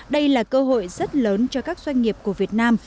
đây là cơ hội rất lớn cho các doanh nghiệp của việt nam